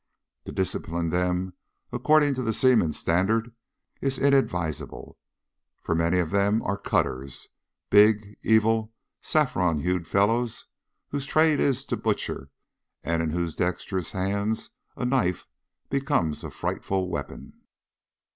To discipline them according to the seamen's standard is inadvisable, for many of them are "cutters," big, evil, saffron hued fellows, whose trade it is to butcher and in whose dextrous hands a knife becomes a frightful weapon.